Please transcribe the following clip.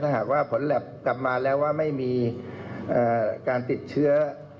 หากว่าผลแล็บกลับมาแล้วว่าไม่มีการติดเชื้อ